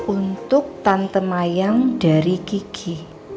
untuk tante mayang dari gigi